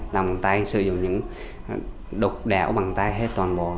làm bằng tay sử dụng những đục đẻo bằng tay hết toàn bộ